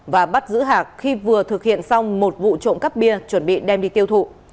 và bắt giữ hạc khi vừa thực hiện xong một vụ trộm cắp bia chuẩn bị đem đi tiêu thụ